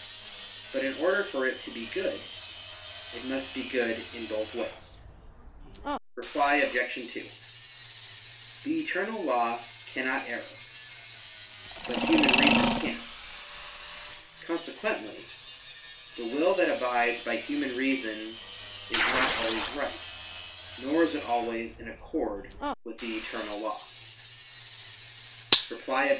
But in order for it to be good, it must be good in both ways. Reply Obj. 2: The eternal law cannot err, but human reason can. Consequently the will that abides by human reason, is not always right, nor is it always in accord with the eternal law. Reply Obj.